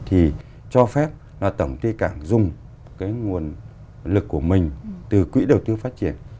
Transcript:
thì cho phép tổng ty cảng dùng nguồn lực của mình từ quỹ đầu tư phát triển